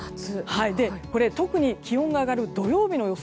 特に気温が上がる土曜日の予想